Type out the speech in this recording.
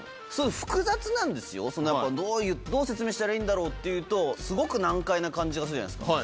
複雑なんですよどう説明したらいいんだろう？っていうとすごく難解な感じがするじゃないですか。